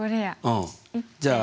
うんじゃあ